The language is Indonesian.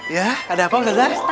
ya ada apa ustadzah